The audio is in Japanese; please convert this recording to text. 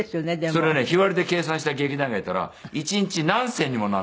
それね日割りで計算した劇団員がやったら一日何銭にもなんないの。